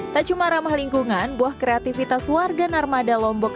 tak cuma ramah lingkungan buah kreativitas warga narmada lombok